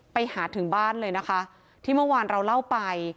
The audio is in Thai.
ไปถึงบ้านเลยนะคะที่เมื่อวานเราเล่าไป